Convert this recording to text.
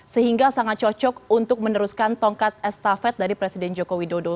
sehingga sangat cocok untuk meneruskan tongkat estafet dari presiden joko widodo